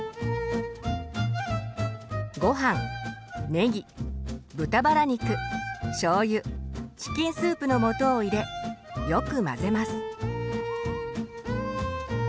ごはんねぎ豚バラ肉しょうゆチキンスープの素を入れよく混ぜます。